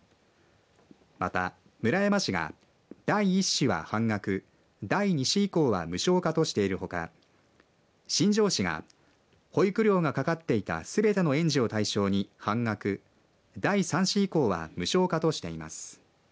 また村山市が第１子は半額第２子以降は無償化としているほか新庄市が保育料がかかっていたすべての園児を対象に半額第３子以降は無償化としています。